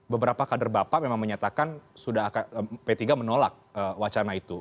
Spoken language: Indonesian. beberapa kader bapak memang menyatakan sudah akan p tiga menolak wacana itu